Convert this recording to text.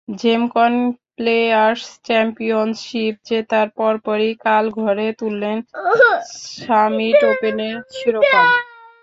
Gemcon players championship জেতার পরপরই কাল ঘরে তুললেন সামিট ওপেনের শিরোপাও।